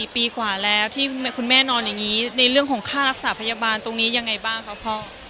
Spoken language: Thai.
ปีกว่าแล้วที่คุณแม่นอนอย่างนี้ในเรื่องของค่ารักษาพยาบาลตรงนี้ยังไงบ้างครับพ่อ